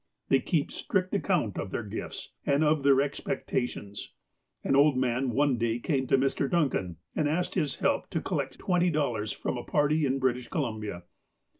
They keep strict account of their gifts, and of their expecta tions. An old man one day came to Mr. Duncan, and asked his help to collect twenty dollars from a party in British Columbia.